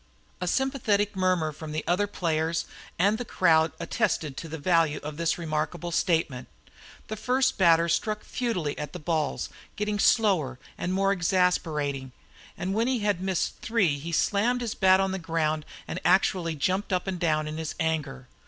A sympathetic murmur from the other players and the crowd attested to the value of this remarkable statement. The first batter struck futilely at the balls, getting slower and more exasperating, and when he had missed three he slammed his bat on the ground and actually jumped up and down in his anger.